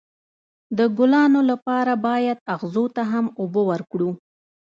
د ګلانو لپاره باید اغزو ته هم اوبه ورکړو.